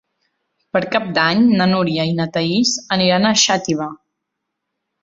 Per Cap d'Any na Núria i na Thaís aniran a Xàtiva.